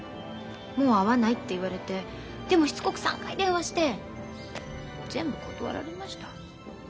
もう会わないって言われてでもしつこく３回電話して全部断られました。